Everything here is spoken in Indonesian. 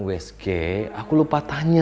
wsg aku lupa tanya